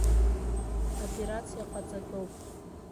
Аоперациа ҟаҵатәуп.